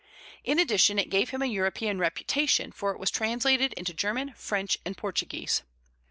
In addition, it gave him a European reputation, for it was translated into German, French, and Portuguese.